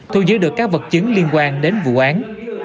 thu giữ được các vật chứng liên quan đến vụ án